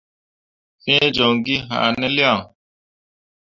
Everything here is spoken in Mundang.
̃Fẽe joŋ gi haane lian ?